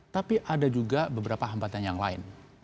tapi ada juga beberapa hambatan yang lain